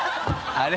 あれ？